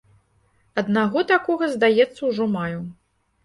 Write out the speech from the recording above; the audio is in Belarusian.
Аднаго такога, здаецца, ужо маю.